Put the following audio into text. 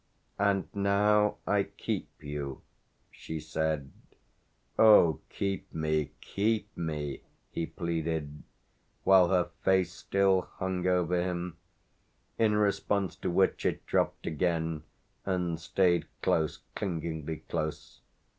"And now I keep you," she said. "Oh keep me, keep me!" he pleaded while her face still hung over him: in response to which it dropped again and stayed close, clingingly close.